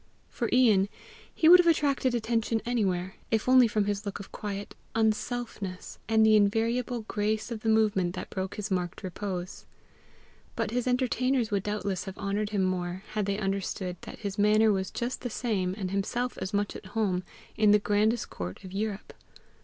For Ian, he would have attracted attention anywhere, if only from his look of quiet UNSELFNESS, and the invariable grace of the movement that broke his marked repose; but his entertainers would doubtless have honoured him more had they understood that his manner was just the same and himself as much at home in the grandest court of Europe.